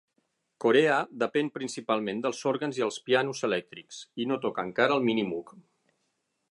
Corea depèn principalment dels òrgans i els pianos elèctrics, i no toca encara el Minimoog.